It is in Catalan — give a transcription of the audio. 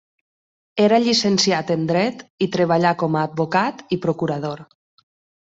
Era llicenciat en dret i treballà com a advocat i procurador.